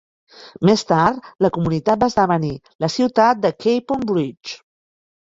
Més tard, la comunitat va esdevenir la ciutat de Capon Bridge.